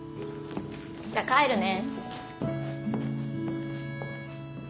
じゃあ帰るね。